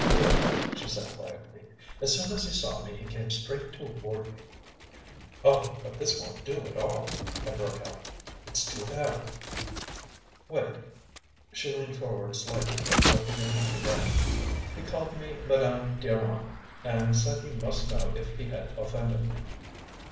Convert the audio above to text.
"Wait," she said quietly. "As soon as he saw me he came straight toward me " "Oh, but this won't do at all," I broke out. "It's too bad " "Wait." She leaned forward slightly, lifting her hand again. "He called me 'Madame d'Armand,' and said he must know if he had offended me."